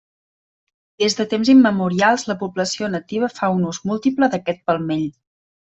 Des de temps immemorial la població nativa fa un ús múltiple d'aquest palmell.